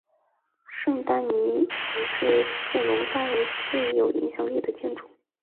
圣丹尼门是布隆代尔最有影响力建筑。